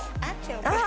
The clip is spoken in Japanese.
あっ！